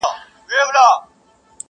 څوك به وژاړي سلګۍ د يتيمانو!.